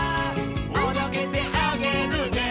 「おどけてあげるね」